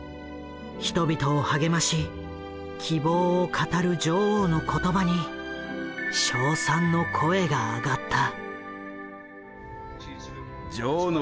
人々を励まし希望を語る女王の言葉に称賛の声があがった。